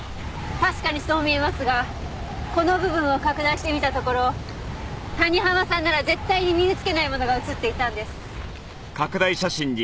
確かにそう見えますがこの部分を拡大してみたところ谷浜さんなら絶対に身に着けないものが写っていたんです。